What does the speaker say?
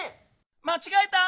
まちがえた！